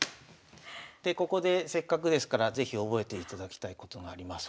でここでせっかくですから是非覚えていただきたいことがあります。